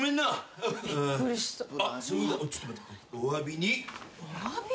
おわびに。